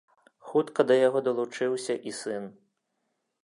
Хутка да яго далучыўся і сын.